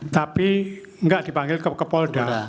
tapi nggak dipanggil ke polda